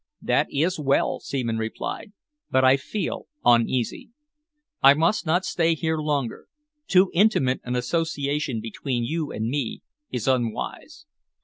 "That is well," Seaman replied, "but I feel uneasy. I must not stay here longer. Too intimate an association between you and me is unwise."